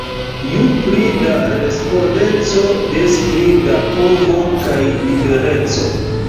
Ju pli da respondeco, des pli da povo kaj libereco!